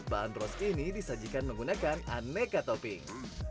bandros ini disajikan menggunakan aneka topping